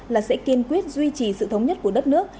là sẽ kiên quyết duy trì sự thống nhất của đất nước